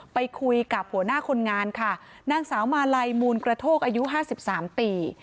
ไปคุยกับหัวหน้าคนงานค่ะนางสาวมาลัยมูลกระโทกอายุ๕๓ปี